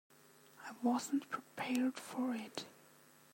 I was not prepared for it.